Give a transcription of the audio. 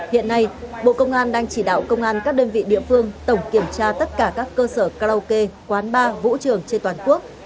hiện nay bộ công an đang chỉ đạo công an các đơn vị địa phương tổng kiểm tra tất cả các cơ sở karaoke quán bar vũ trường trên toàn quốc